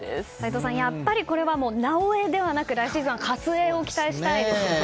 齋藤さん、やっぱりこれは「なおエ」ではなく来シーズンは「かつエ」を期待したいですね。